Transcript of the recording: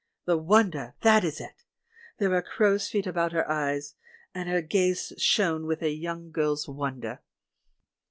The "wonder," that is it ! There were crow's feet about her eyes, and her gaze shone with a young girl's wonder.